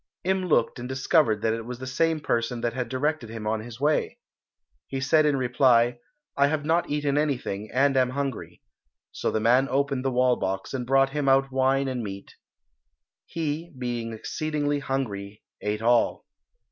Im looked and discovered that it was the same person that had directed him on his way. He said in reply, "I have not eaten anything and am hungry." So the man opened the wall box and brought him out wine and meat. He, being exceedingly hungry, ate all.